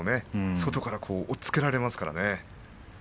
外から押っつけられますからね。